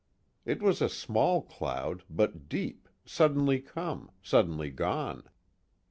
It was a small cloud but deep, suddenly come, suddenly gone.